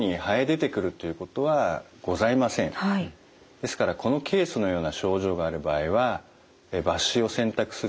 ですからこのケースのような症状がある場合は抜歯を選択する場合が多いです。